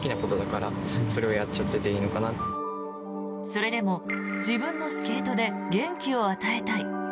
それでも自分のスケートで元気を与えたい。